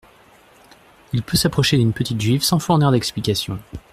Il peut s’approcher d’une petite Juive sans fournir d’explications.